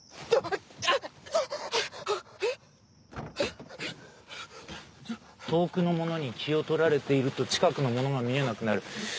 えっ⁉えっ⁉遠くのものに気を取られていると近くのものが見えなくなる。